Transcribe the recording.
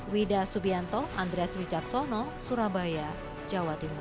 wida subianto andreas wijaksono surabaya jawa timur